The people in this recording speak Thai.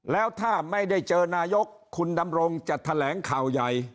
แล้วถ้าไม่ได้เจอนายกคุณดำรงจะแถลงข่าวใหญ่